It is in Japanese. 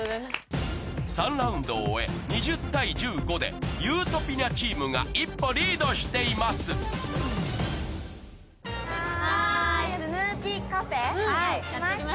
３ラウンドを終え２０対１５でゆーとぴにゃチームが一歩リードしています来ました！